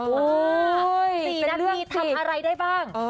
โอ้โฮเป็นเรื่องทำอะไรได้บ้าง